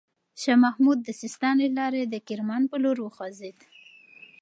شاه محمود د سیستان له لاري د کرمان پر لور وخوځېد.